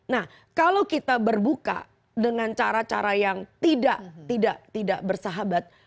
nah kalau kita berbuka dengan cara cara yang tidak tidak bersahabat